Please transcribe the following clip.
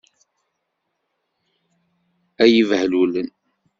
Ay ibehlulen!